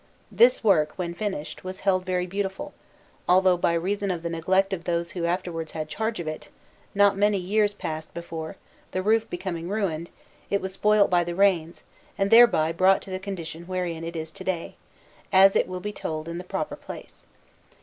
This work, when finished, was held very beautiful, although, by reason of the neglect of those who afterwards had charge of it, not many years passed before, the roof becoming ruined, it was spoilt by the rains and thereby brought to the condition wherein it is to day, as it will be told in the proper place.